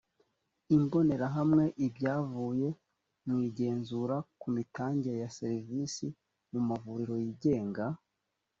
imbonerahamwe ibyavuye mu igenzura ku mitangire ya serivisi mu mavuriro yigenga